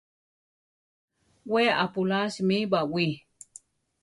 We apulásimi baʼwí.